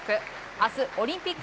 明日、オリンピック